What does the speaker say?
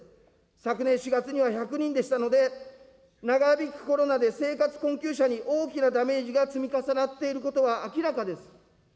昨年４月には１００人でしたので、長引くコロナで生活困窮者に大きなダメージが積み重なっていることは明らかです。